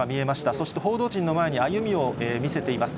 そして報道陣の前に歩みを見せています。